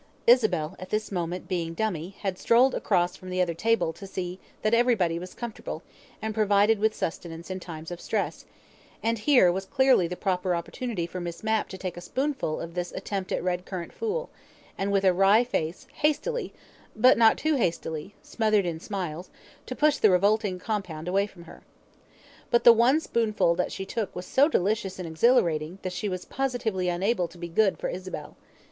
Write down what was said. Isabel, at this moment being dummy, had strolled across from the other table to see that everybody was comfortable and provided with sustenance in times of stress, and here was clearly the proper opportunity for Miss Mapp to take a spoonful of this attempt at red currant fool, and with a wry face, hastily (but not too hastily) smothered in smiles, to push the revolting compound away from her. But the one spoonful that she took was so delicious and exhilarating, that she was positively unable to be good for Isabel.